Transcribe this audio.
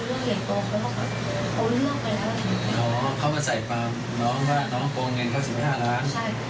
และก็จะเป็นเหตุผลที่จะเป็นผลของนางสาว